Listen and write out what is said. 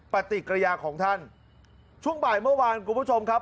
ปฏิกิริยาของท่านช่วงบ่ายเมื่อวานคุณผู้ชมครับ